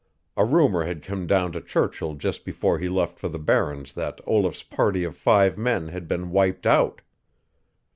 A rumor had come down to Churchill just before he left for the Barrens that Olaf's party of five men had been wiped out.